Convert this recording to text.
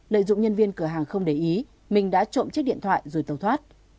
lợi dụng nhân viên cửa hàng không để ý mình đã trộm chiếc điện thoại rồi tàu thoát